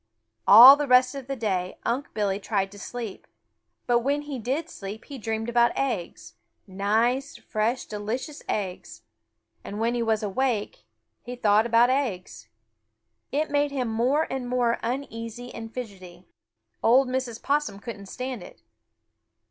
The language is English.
All the rest of the day Unc' Billy tried to sleep, but when he did sleep he dreamed about eggs, nice, fresh, delicious eggs, and when he was awake he though about eggs. It made him more and more uneasy and fidgety. Old Mrs. Possum couldn't stand it.